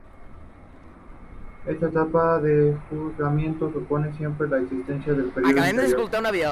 Esta etapa de juzgamiento supone siempre la existencia del periodo anterior.